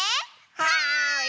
はい。